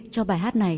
cho bài hát này